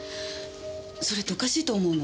それっておかしいと思うの。